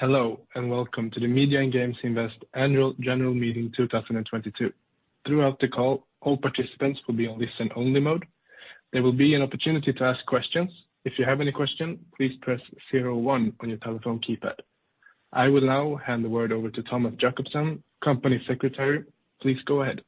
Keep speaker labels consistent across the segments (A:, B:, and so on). A: Hello and welcome to the Media and Games Invest annual general meeting 2022. Throughout the call, all participants will be on listen-only mode. There will be an opportunity to ask questions. If you have any questions, please press 01 on your telephone keypad. I will now hand the word over to Thomas Jakobsson, Company Secretary. Please go ahead.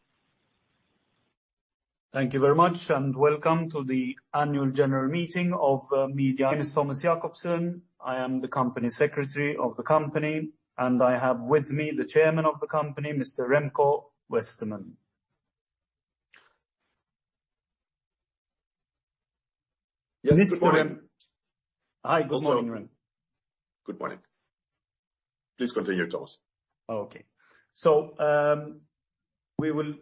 B: Thank you very much and welcome to the annual general meeting of Media and Games Invest. My name is Thomas Jakobsson, I am the Company Secretary of the Company, and I have with me the Chairman of the Company, Mr. Remco Westermann.
C: Yes, good morning.
B: Hi, good morning, Remco.
C: Good morning. Please continue, Thomas.
B: Okay. So. We will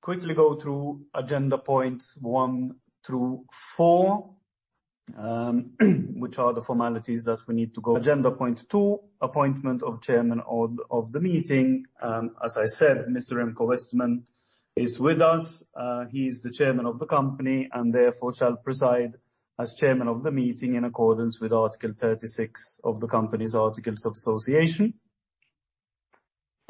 B: quickly go through agenda points one through four. Which are the formalities that we need to go. Agenda point two: appointment of Chairman of the Meeting. As I said, Mr. Remco Westermann is with us. He is the Chairman of the Company and therefore shall preside as Chairman of the Meeting in accordance with Article 36 of the Company's Articles of Association.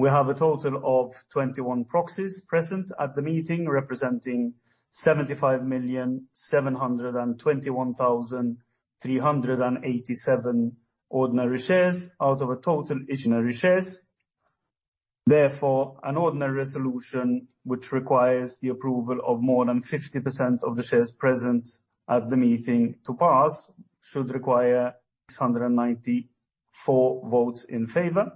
B: We have a total of 21 proxies present at the meeting representing 75,721,387 ordinary shares out of a total ordinary shares. Therefore, an ordinary resolution which requires the approval of more than 50% of the shares present at the meeting to pass should require 694 votes in favor.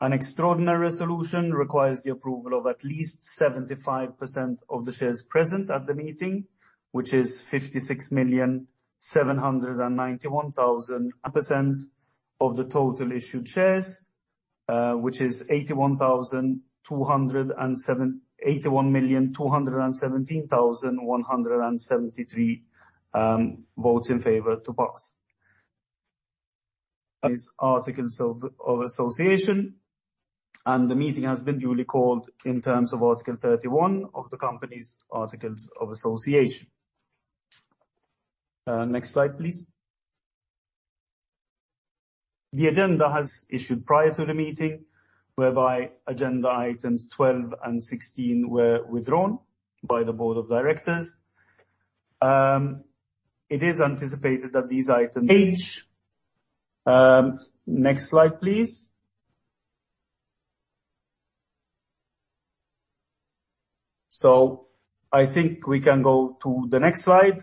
B: An extraordinary resolution requires the approval of at least 75% of the shares present at the meeting, which is 56.791,000% of the total issued shares. Which is 81.81.217,173. Votes in favor to pass.
C: That.
B: Articles of Association. The meeting has been duly called in terms of Article 31 of the Company's Articles of Association. Next slide, please. The agenda has issued prior to the meeting whereby agenda items 12 and 16 were withdrawn by the Board of Directors. It is anticipated that these items.
C: Age.
B: Next slide, please. I think we can go to the next slide.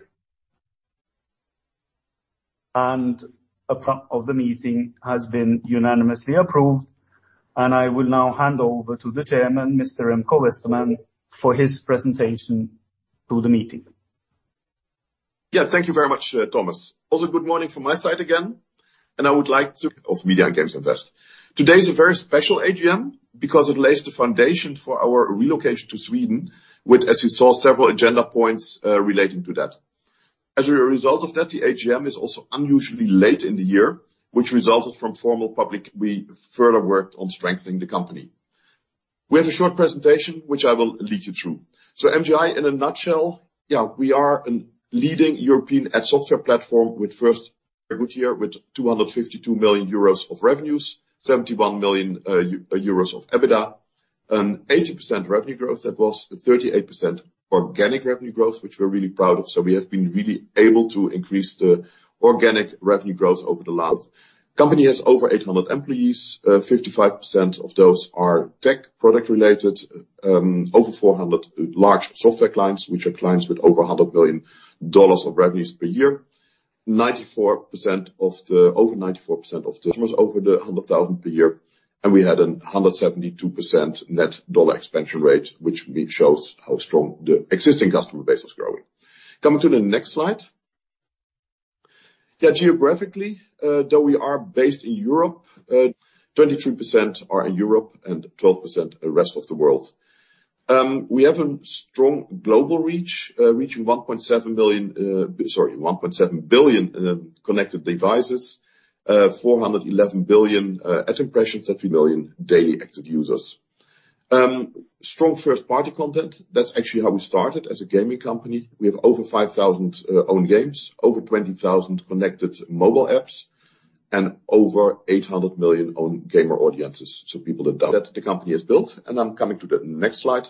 B: The meeting has been unanimously approved. I will now hand over to the Chairman, Mr. Remco Westermann, for his presentation to the meeting.
C: Yeah, thank you very much, Thomas. Also, good morning from my side again. I would like to. Of Media and Games Invest. Today is a very special AGM because it lays the foundation for our relocation to Sweden with, as you saw, several agenda points relating to that. As a result of that, the AGM is also unusually late in the year, which resulted from formal public. We further worked on strengthening the company. We have a short presentation which I will lead you through. MGI, in a nutshell, yeah, we are a leading European ad software platform with first year with 252 million euros of revenues, 71 million euros of EBITDA, an 80% revenue growth that was 38% organic revenue growth, which we're really proud of. We have been really able to increase the organic revenue growth over the last. Company has over 800 employees. 55% of those are tech product-related. Over 400 large software clients, which are clients with over $100 million of revenues per year. 94% of the over 94% of customers over the 100,000 per year. We had a 172% net dollar expansion rate, which shows how strong the existing customer base is growing. Coming to the next slide. Geographically, though we are based in Europe, 23% are in Europe and 12% are the rest of the world. We have a strong global reach reaching 1.7 billion connected devices, 411 billion ad impressions, 30 million daily active users. Strong first-party content. That's actually how we started as a gaming company. We have over 5,000 owned games, over 20,000 connected mobile apps, and over 800 million owned gamer audiences. People that the company has built. I'm coming to the next slide.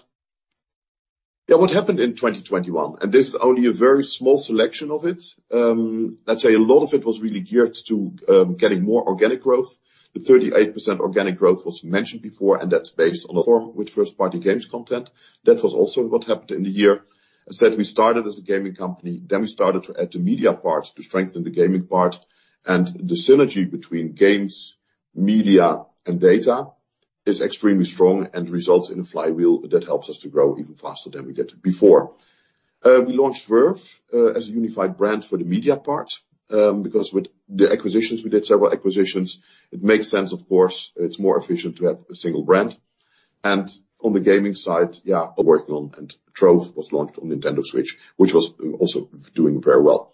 C: What happened in 2021? This is only a very small selection of it. Let's say a lot of it was really geared to getting more organic growth. The 38% organic growth was mentioned before, and that's based on a form with first-party games content. That was also what happened in the year. I said we started as a gaming company, then we started to add the media part to strengthen the gaming part. The synergy between games, media, and data is extremely strong and results in a flywheel that helps us to grow even faster than we did before. We launched Verve as a unified brand for the media part because with the acquisitions, we did several acquisitions. It makes sense, of course. It's more efficient to have a single brand. On the gaming side, yeah, working on and Trove was launched on Nintendo Switch, which was also doing very well.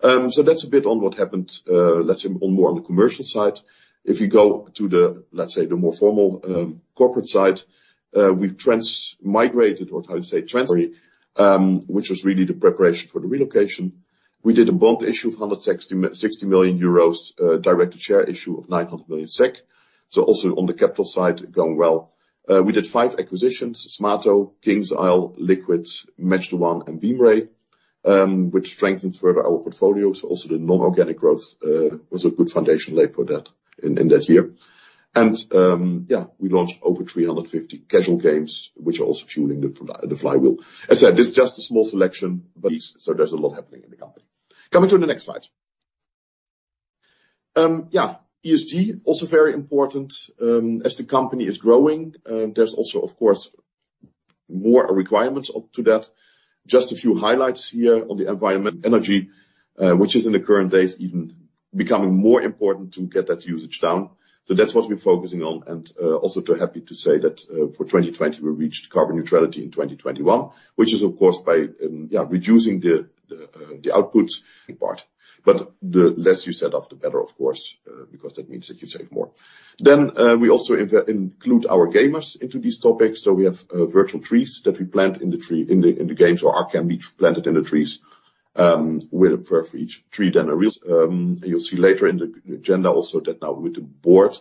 C: That's a bit on what happened. Let's say more on the commercial side. If you go to the, let's say, the more formal corporate side, we transmigrated, or how to say, sorry, which was really the preparation for the relocation. We did a bond issue of 160 million euros, direct share issue of 900 million SEK. Also on the capital side, going well. We did five acquisitions: Smarto, KingsIsle, Liquid, Mesh the One, and Beam Ray, which strengthened further our portfolio. Also the non-organic growth was a good foundation laid for that in that year. Yeah, we launched over 350 casual games, which are also fueling the flywheel. As I said, this is just a small selection, but there is a lot happening in the company. Coming to the next slide. ESG also very important. As the company is growing, there are also, of course, more requirements to that. Just a few highlights here on the environmental energy, which is in the current days even becoming more important to get that usage down. That is what we are focusing on. Also happy to say that for 2020, we reached carbon neutrality in 2021, which is, of course, by reducing the output part. The less you set off, the better, of course, because that means that you save more. We also include our gamers into these topics. We have virtual trees that we plant in the tree in the games, or can be planted in the trees. With a perfect tree, then a real. You will see later in the agenda also that now with the board,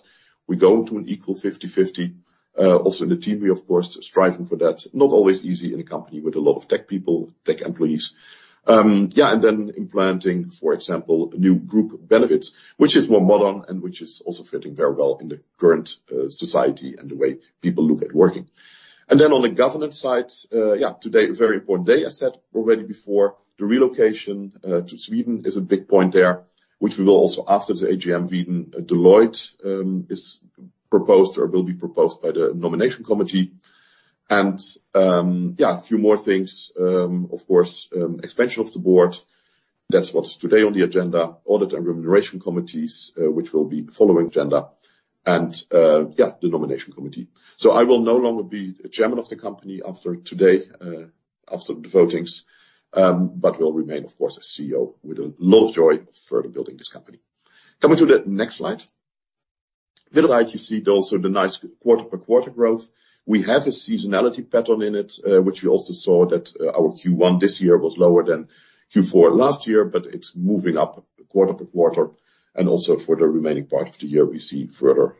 C: we go into an equal 50-50. Also in the team, we, of course, strive for that. Not always easy in a company with a lot of tech people, tech employees. Yeah, and then implementing, for example, new group benefits, which is more modern and which is also fitting very well in the current society and the way people look at working. On the governance side, today, a very important day, as I said already before. The relocation to Sweden is a big point there, which we will also after the AGM, Sweden Deloitte is proposed or will be proposed by the nomination committee. A few more things, of course, expansion of the board. That is what is today on the agenda, audit and remuneration committees, which will be the following agenda. The nomination committee. I will no longer be the Chairman of the company after today, after the votings, but will remain, of course, as CEO with a lot of joy of further building this company. Coming to the next slide. Little side, you see also the nice quarter-by-quarter growth. We have a seasonality pattern in it, which we also saw that our Q1 this year was lower than Q4 last year, but it is moving up quarter-by-quarter. Also for the remaining part of the year, we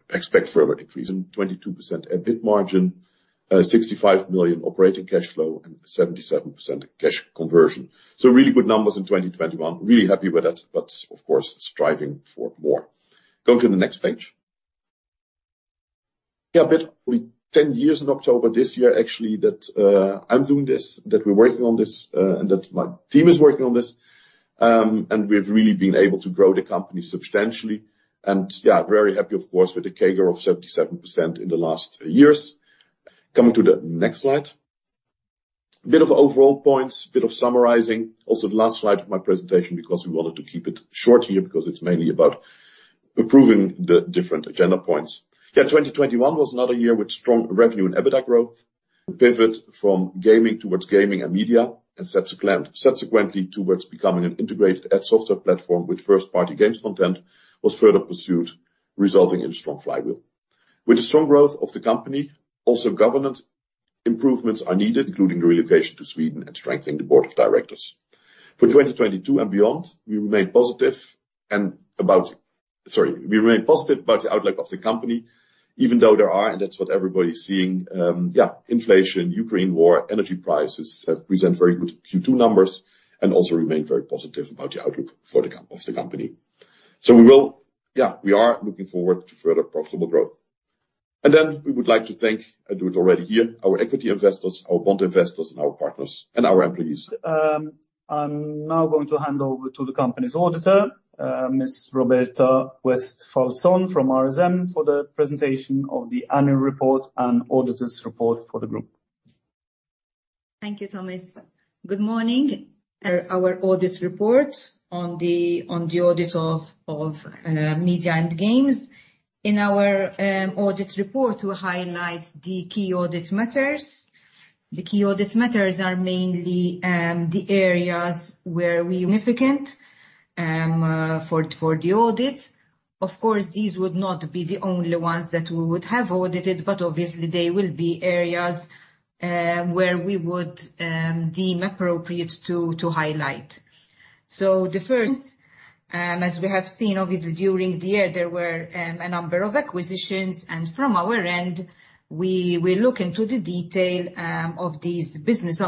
C: expect further increase in 22% EBIT margin, 65 million operating cash flow, and 77% cash conversion. Really good numbers in 2021. Really happy with it, but of course, striving for more. Going to the next page. Yeah, a bit 10 years in October this year, actually, that I'm doing this, that we're working on this, and that my team is working on this. And we've really been able to grow the company substantially. Yeah, very happy, of course, with the CAGR of 77% in the last years. Coming to the next slide. Bit of overall points, bit of summarizing. Also the last slide of my presentation because we wanted to keep it short here because it's mainly about approving the different agenda points. Yeah, 2021 was another year with strong revenue and EBITDA growth. Pivot from gaming towards gaming and media and subsequently towards becoming an integrated ad software platform with first-party games content was further pursued, resulting in a strong flywheel. With the strong growth of the company, also government improvements are needed, including the relocation to Sweden and strengthening the Board of Directors. For 2022 and beyond, we remained positive and about, sorry, we remained positive about the outlook of the company, even though there are, and that's what everybody's seeing, yeah, inflation, Ukraine war, energy prices present very good Q2 numbers and also remain very positive about the outlook of the company. We are looking forward to further profitable growth. And then we would like to thank, I do it already here, our equity investors, our bond investors, and our partners and our employees.
B: I'm now going to hand over to the company's auditor, Ms. Roberta West-Falson from RSM, for the presentation of the annual report and auditors' report for the group.
D: Thank you, Thomas. Good morning. Our audit report on the audit of Media and Games Invest. In our audit report, we highlight the key audit matters. The key audit matters are mainly the areas where we are significant for the audit. Of course, these would not be the only ones that we would have audited, but obviously, they will be areas where we would deem appropriate to highlight. The first, as we have seen, obviously, during the year, there were a number of acquisitions. From our end, we look into the detail of these business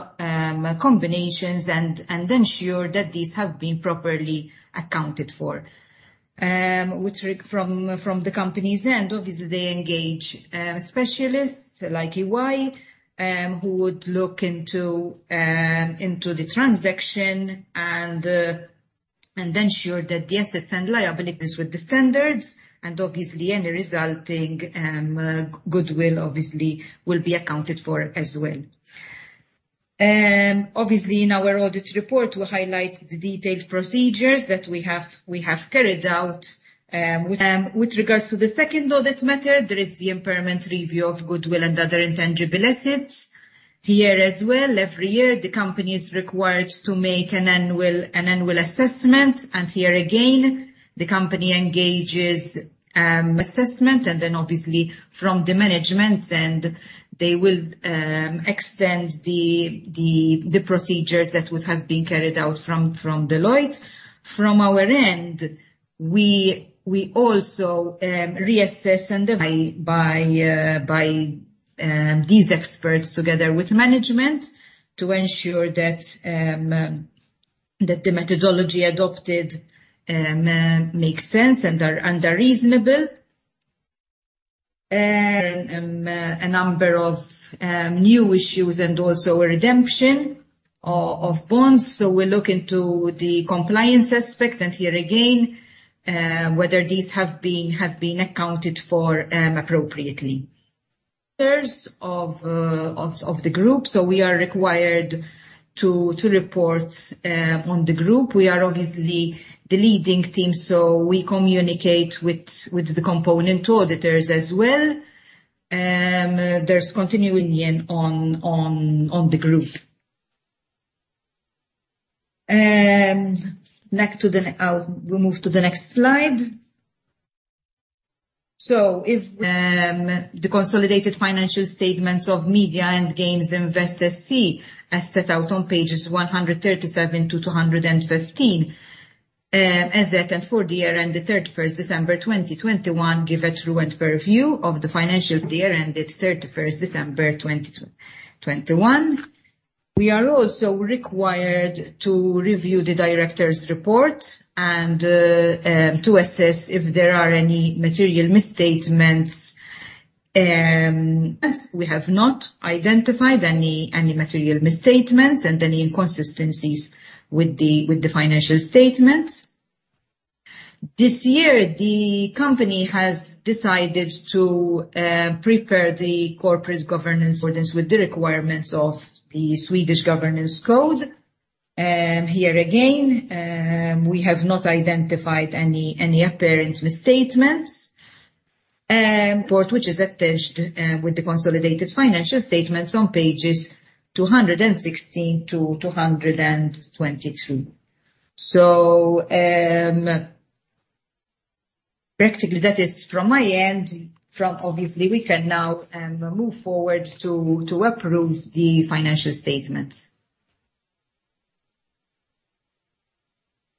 D: combinations and ensure that these have been properly accounted for, which from the company's end, obviously, they engage specialists like EY who would look into the transaction and ensure that the assets and liabilities are in line with the standards. Obviously, any resulting goodwill, obviously, will be accounted for as well. In our audit report, we highlight the detailed procedures that we have carried out. With regards to the second audit matter, there is the impairment review of goodwill and other intangible assets. Here as well, every year, the company is required to make an annual assessment. Here again, the company engages assessment, and then obviously, from the management, and they will extend the procedures that would have been carried out from Deloitte. From our end, we also reassess and rely on these experts together with management to ensure that the methodology adopted makes sense and is reasonable. A number of new issues and also a redemption of bonds. We look into the compliance aspect, and here again, whether these have been accounted for appropriately. Matters of the group. We are required to report on the group. We are obviously the leading team, so we communicate with the component auditors as well. Continuing on the group, we move to the next slide. The consolidated financial statements of Media and Games Invest SE as set out on pages 137-215 as set for the year ended 31 December 2021, give a true and fair view of the financials for the year ended 31 December 2021. We are also required to review the director's report and to assess if there are any material misstatements. We have not identified any material misstatements and any inconsistencies with the financial statements. This year, the company has decided to prepare the corporate governance with the requirements of the Swedish governance code. Here again, we have not identified any apparent misstatements. The report, which is attached with the consolidated financial statements on pages 216-223. Practically, that is from my end. Obviously, we can now move forward to approve the financial statements.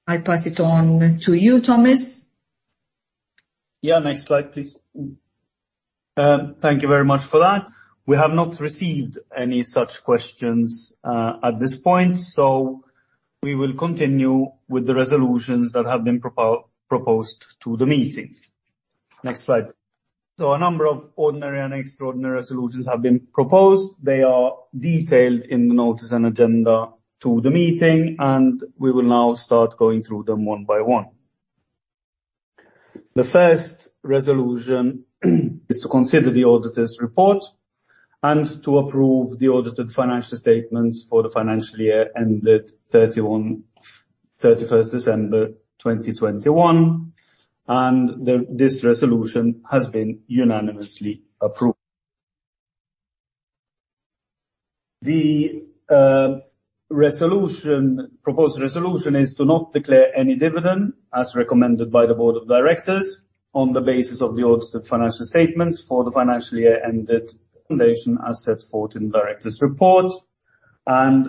D: I pass it on to you, Thomas.
B: Yeah, next slide, please. Thank you very much for that. We have not received any such questions at this point. We will continue with the resolutions that have been proposed to the meeting. Next slide. A number of ordinary and extraordinary resolutions have been proposed. They are detailed in the notice and agenda to the meeting. We will now start going through them one by one. The first resolution is to consider the auditor's report and to approve the audited financial statements for the financial year ended 31 December 2021. This resolution has been unanimously approved. The proposed resolution is to not declare any dividend as recommended by the Board of Directors on the basis of the audited financial statements for the financial year ended as set forth in the director's report.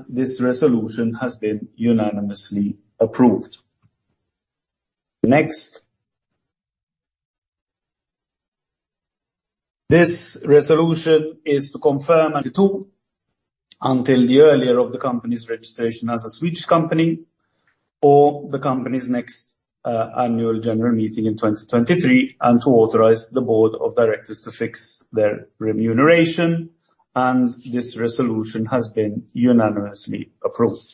B: This resolution has been unanimously approved. Next, this resolution is to confirm 2022 until the earlier of the company's registration as a Swedish company or the company's next annual general meeting in 2023, and to authorize the Board of Directors to fix their remuneration. This resolution has been unanimously approved.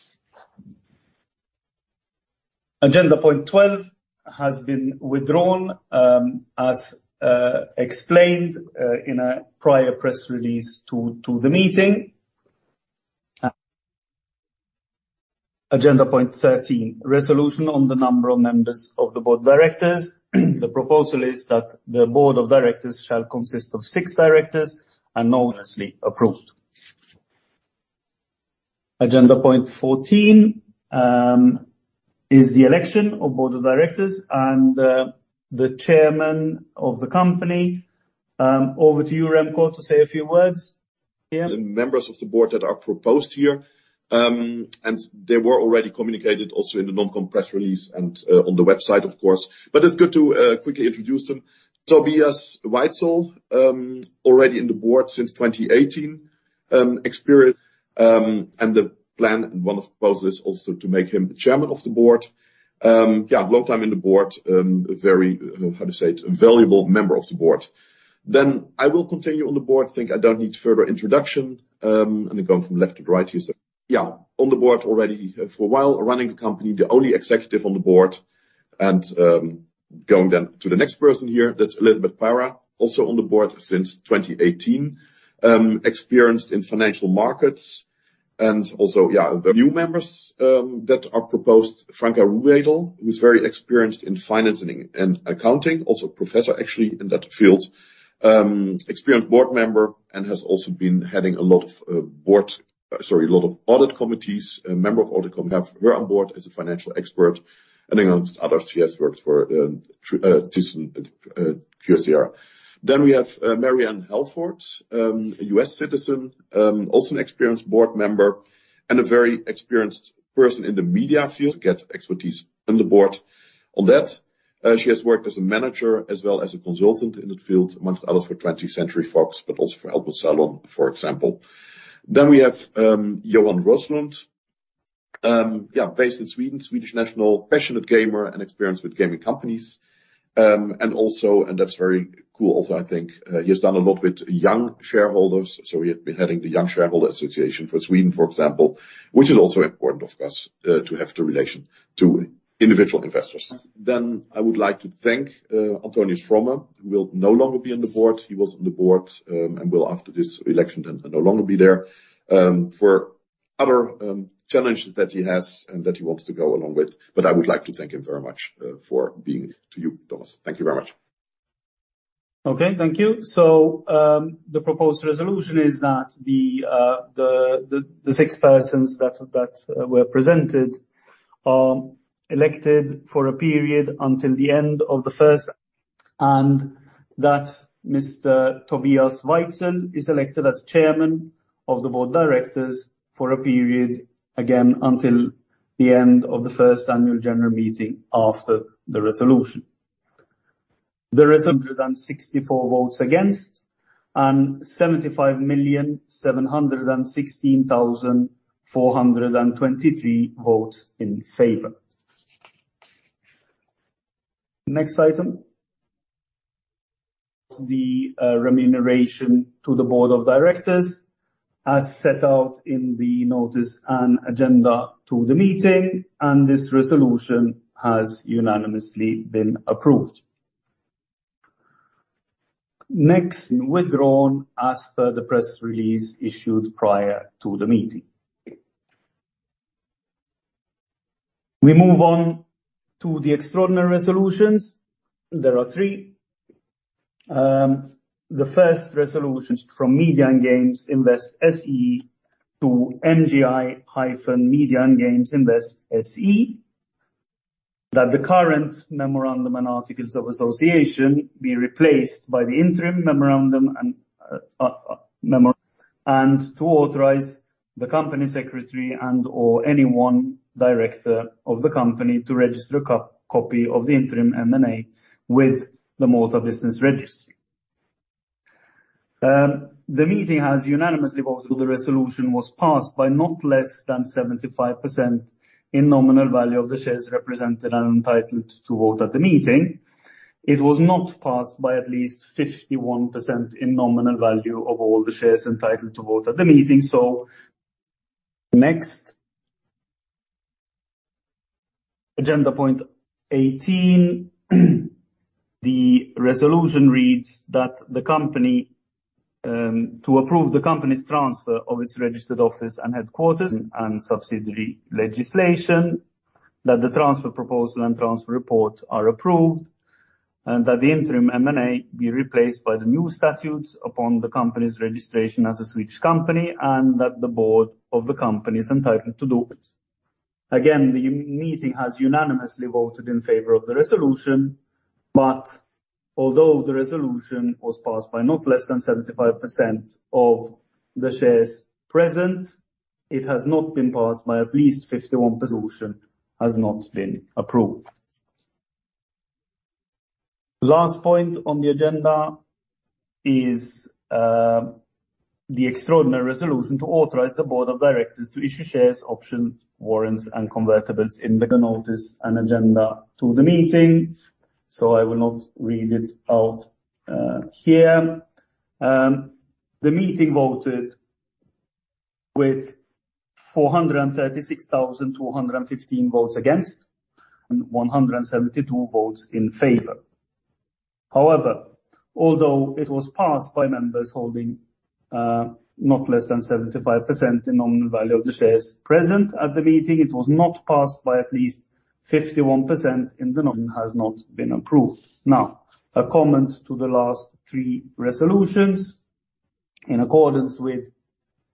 B: Agenda point 12 has been withdrawn as explained in a prior press release to the meeting. Agenda point 13, resolution on the number of members of the Board of Directors. The proposal is that the Board of Directors shall consist of six directors and is unanimously approved. Agenda point 14 is the election of Board of Directors and the Chairman of the company. Over to you, Remco, to say a few words.
C: The members of the board that are proposed here. They were already communicated also in the non-compressed release and on the website, of course. It's good to quickly introduce them. Tobias Weitzel, already in the board since 2018. Experience. The plan and one of the proposals is also to make him Chairman of the Board. Long time in the board, very, how to say it, valuable member of the board. I will continue on the board. I think I don't need further introduction. I'm going from left to right here. On the board already for a while, running the company, the only executive on the board. Going to the next person here, that's Elizabeth Para, also on the board since 2018. Experienced in financial markets. Also, the new members that are proposed, Franka Rubedel, who's very experienced in financing and accounting, also a professor actually in that field. Experienced board member and has also been heading a lot of board, sorry, a lot of audit committees, a member of audit committee, have her on board as a financial expert. Amongst others, she has worked for Thyssen and Kjersda. We have Marianne Helford, a U.S. citizen, also an experienced board member, and a very experienced person in the media field to get expertise on the board. On that, she has worked as a manager as well as a consultant in the field, amongst others for 20th Century Fox, but also for Albert Salon, for example. We have Johan Roslund, based in Sweden, Swedish national, passionate gamer and experienced with gaming companies. Also, and that's very cool also, I think, he has done a lot with young shareholders. He has been heading the Young Shareholder Association for Sweden, for example, which is also important, of course, to have the relation to individual investors. I would like to thank Antonius Frommer, who will no longer be on the board. He was on the board and will, after this election, no longer be there. For other challenges that he has and that he wants to go along with. I would like to thank him very much for being. To you, Thomas. Thank you very much.
B: Okay, thank you. The proposed resolution is that the six persons that were presented are elected for a period until the end of the first, and that Mr. Tobias Weitzel is elected as Chairman of the Board of Directors for a period, again, until the end of the first annual general meeting after the resolution. The resolution had 164 votes against and 75,716,423 votes in favor. Next item, the remuneration to the Board of Directors, as set out in the notice and agenda to the meeting, and this resolution has unanimously been approved. Next, withdrawn as per the press release issued prior to the meeting. We move on to the extraordinary resolutions. There are three. The first resolution is from Media and Games Invest SE to MGI-Media and Games Invest SE, that the current memorandum and Articles of Association be replaced by the interim memorandum, and to authorize the Company Secretary and/or any one director of the company to register a copy of the interim M&A with the Motor Business Registry. The meeting has unanimously voted that the resolution was passed by not less than 75% in nominal value of the shares represented and entitled to vote at the meeting. It was not passed by at least 51% in nominal value of all the shares entitled to vote at the meeting. Next, agenda point 18. The resolution reads that the company is to approve the company's transfer of its registered office and headquarters and subsidiary legislation, that the transfer proposal and transfer report are approved, and that the interim Memorandum and Articles of Association (M&A) be replaced by the new statutes upon the company's registration as a Swedish company, and that the board of the company is entitled to do it. Again, the meeting has unanimously voted in favor of the resolution, but although the resolution was passed by not less than 75% of the shares present, it has not been passed by at least 51%. The resolution has not been approved. Last point on the agenda is the extraordinary resolution to authorize the Board of Directors to issue shares, options, warrants, and convertibles in the notice and agenda to the meeting, so I will not read it out here. The meeting voted with 436,215 votes against and 172 votes in favor. However, although it was passed by members holding not less than 75% in nominal value of the shares present at the meeting, it was not passed by at least 51% in the notice and has not been approved. Now, a comment to the last three resolutions. In accordance with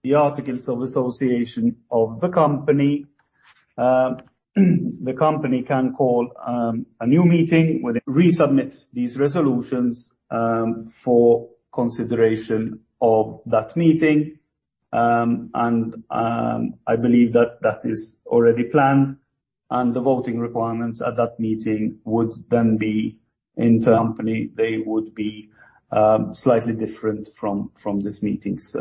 B: the Articles of Association of the company, the company can call a new meeting with resubmit these resolutions for consideration of that meeting. I believe that that is already planned, and the voting requirements at that meeting would then be in company, they would be slightly different from this meeting's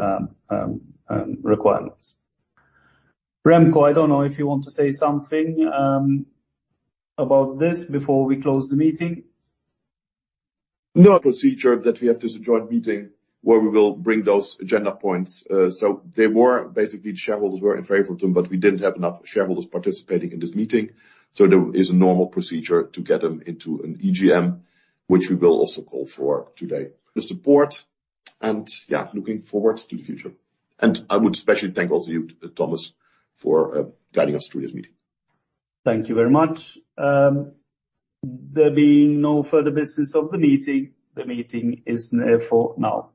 B: requirements. Remco, I do not know if you want to say something about this before we close the meeting.
C: No. Procedure that we have this joint meeting where we will bring those agenda points. They were basically the shareholders were in favor of them, but we did not have enough shareholders participating in this meeting. There is a normal procedure to get them into an Extraordinary General Meeting (EGM) EGM, which we will also call for today. The support. Yeah, looking forward to the future. I would especially thank also you, Thomas, for guiding us through this meeting.
B: Thank you very much. There being no further business of the meeting, the meeting is therefore now.